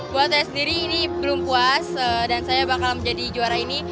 buat saya sendiri ini belum puas dan saya bakal menjadi juara ini